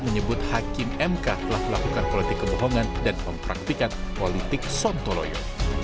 menyebut hakim mk telah melakukan politik kebohongan dan mempraktikan politik sontoloyo